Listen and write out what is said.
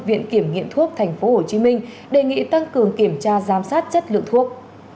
viện kiểm nghiệm thuốc thành phố hồ chí minh đề nghị tăng cường kiểm tra giám sát chất lượng thuốc